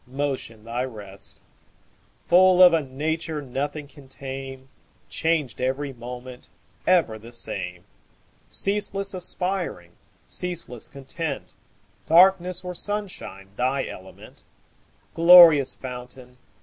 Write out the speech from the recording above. Motion thy rest; Full of a nature Nothing can tame, Changed every moment, Ever the same; Ceaseless aspiring, Ceaseless content, Darkness or sunshine Thy element; Glorious fountain.